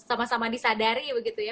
sama sama disadari begitu ya